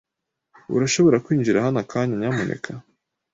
Urashobora kwinjira hano akanya, nyamuneka?